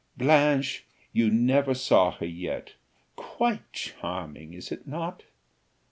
Blanche, you never saw her yet. Quite charming, is it not?"